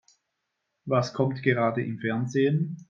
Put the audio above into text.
Was kommt gerade im Fernsehen?